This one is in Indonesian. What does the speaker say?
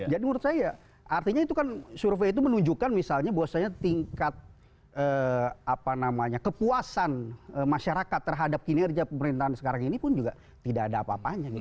jadi menurut saya artinya itu kan survei itu menunjukkan misalnya bahwasanya tingkat kepuasan masyarakat terhadap kinerja pemerintahan sekarang ini pun juga tidak ada apa apanya